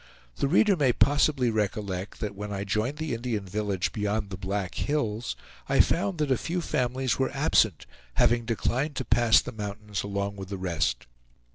The reader may possibly recollect that when I joined the Indian village, beyond the Black Hills, I found that a few families were absent, having declined to pass the mountains along with the rest.